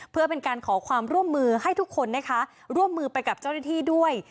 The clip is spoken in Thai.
เพื่อเป็นการขอความร่วมมือให้ทุกคนนะคะร่วมมือไปกับเจ้าหน้าที่ด้วย